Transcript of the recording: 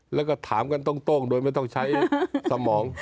แล้วก็ถามกันโต้งโดยไม่ต้องใช้สมอง